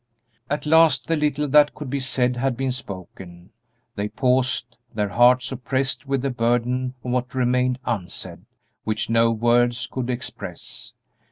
At last the little that could be said had been spoken; they paused, their hearts oppressed with the burden of what remained unsaid, which no words could express.